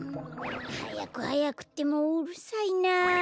はやくはやくってもううるさいな。